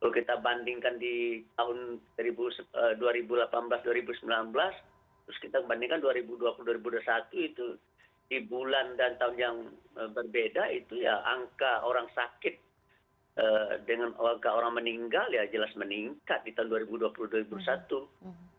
kalau kita bandingkan di tahun dua ribu delapan belas dua ribu sembilan belas terus kita bandingkan dua ribu dua puluh dua ribu dua puluh satu itu di bulan dan tahun yang berbeda itu ya angka orang sakit dengan angka orang meninggal ya jelas meningkat di tahun dua ribu dua puluh dua ribu dua puluh satu